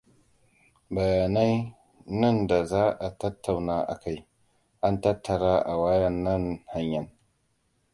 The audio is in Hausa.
Bayanai nan da za a tattauna akai an tattara a wayannan hanyan.